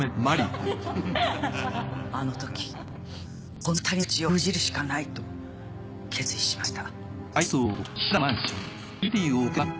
あのときこの２人の口を封じるしかないと決意しました。